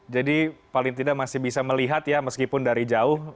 jadi paling tidak masih bisa melihat ya meskipun dari jauh